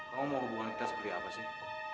kamu mau hubungan kita seperti apa sih